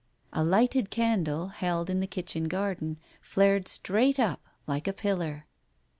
A lighted candle, held in the kitchen garden, flared straight up, like a pillar.